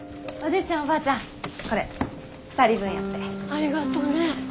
ありがとうね。